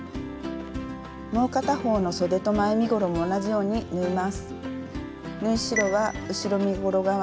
もう片方のそでと前身ごろも同じように縫います。